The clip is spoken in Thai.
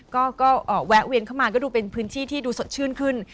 ก็แวะเวียนเข้ามาก็ดูเป็นพื้นที่ที่ดูสดชื่นขึ้น